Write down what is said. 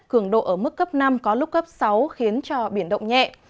cường độ ở mức cấp năm có lúc cấp sáu khiến cho biển động nhẹ